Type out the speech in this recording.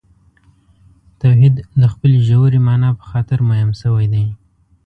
توحید د خپلې ژورې معنا په خاطر مهم شوی دی.